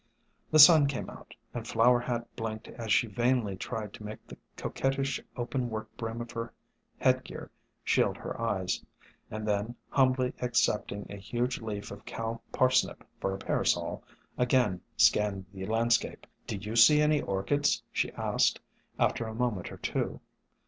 The sun came out, and Flower Hat blinked as she vainly tried to make the coquettish open work brim of her head gear shield her eyes; and then, humbly accepting a huge leaf of Cow Parsnip for a parasol, again scanned the landscape. ' SOME HUMBLE ORCHIDS 145 "Do you see any Orchids?" she asked, after a moment or two.